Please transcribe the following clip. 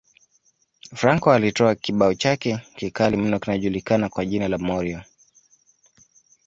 Franco alitoa kibao chake kikali mno kilichojulikana kwa jina la Mario